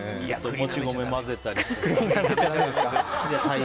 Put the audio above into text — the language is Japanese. もち米混ぜたりとか。